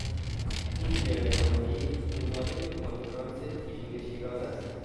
این گردهمایی دنبالهی کنفرانس پیشین شیراز است.